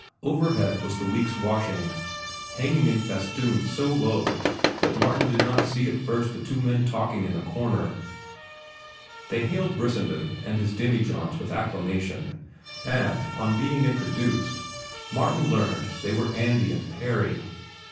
Overhead was the week's washing, hanging in festoons so low that Martin did not see at first the two men talking in a corner. They hailed Brissenden and his demijohns with acclamation, and, on being introduced, Martin learned they were Andy and Parry.